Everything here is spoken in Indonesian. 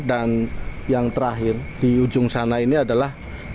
dan yang terakhir di ujung sana ini adalah